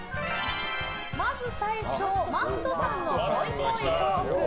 まず最初Ｍａｔｔさんのぽいぽいトーク。